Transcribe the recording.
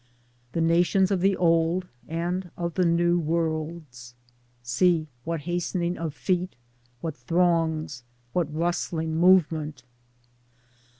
The nations of the old and of the new worlds ! See, what hastening of feet, what throngs, what rustling movement